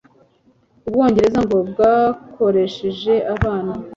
u Bwongereza ngo bwakoresheje abana